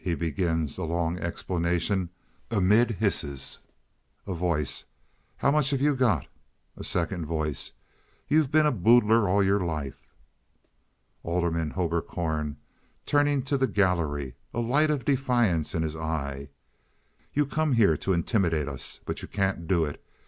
He begins a long explanation amid hisses. A Voice. "How much have you got?" A Second Voice. "You've been a boodler all your life." Alderman Hoberkorn (turning to the gallery, a light of defiance in his eye). "You come here to intimidate us, but you can't do it.